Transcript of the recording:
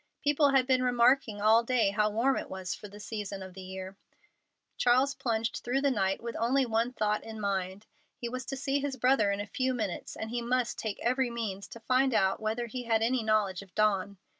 People had been remarking all day how warm it was for the season of year. Charles plunged through the night with only one thought in mind. He was to see his brother in a few minutes, and he must take every means to find out whether he had any knowledge of Dawn.